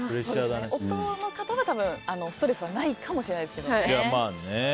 夫の方はストレスはないかもしれないですけどね。